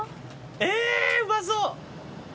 えうまそう。